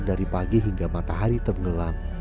dari pagi hingga matahari tergelam